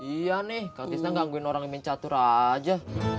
iya nih kantisnya gangguin orang yang main catur aja